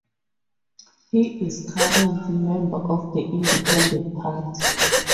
He is current member of the Independent Party.